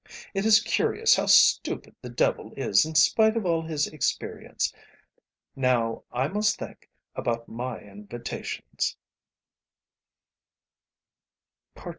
It is curious how stupid the devil is in spite of all his experience. Now I must think about my invitations."